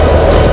itu udah gila